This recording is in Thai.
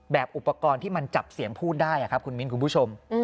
อุปกรณ์ที่มันจับเสียงพูดได้ครับคุณมิ้นคุณผู้ชม